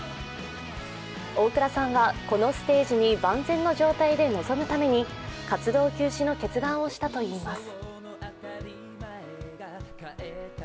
大倉さんはこのステージに万全の状態で臨むために活動休止の決断をしたといいます。